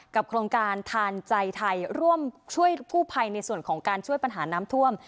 โครงการทานใจไทยร่วมช่วยกู้ภัยในส่วนของการช่วยปัญหาน้ำท่วม